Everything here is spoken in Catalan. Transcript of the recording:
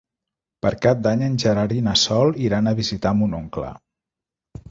Per Cap d'Any en Gerard i na Sol iran a visitar mon oncle.